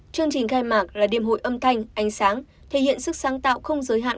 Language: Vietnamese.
chương trình khai mạc là đêm hội âm thanh ánh sáng thể hiện sức sáng tạo không giới hạn